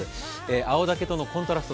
青竹とのコントラスト